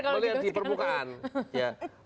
saya belajar kalau gitu